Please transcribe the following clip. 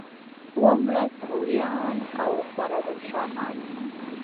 اووم لوست غوریان او خوارزم شاهان دي.